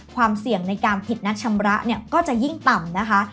ความเสี่ยงในการผิดนัดชำระเนี่ยก็จะยิ่งต่ำนะคะ